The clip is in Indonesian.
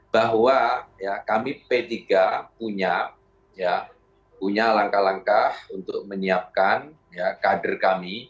bahwa kami p tiga punya langkah langkah untuk menyiapkan kader kami